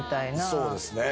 そうですね。